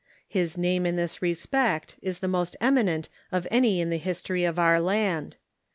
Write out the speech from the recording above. His name in this respect is the most eminent of any in the histoiy of our land.